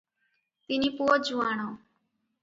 ତିନି ପୁଅ ଯୁଆଣ ।